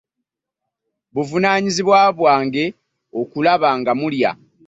Buvunaanyizibwa bwange okulaba nga mulya.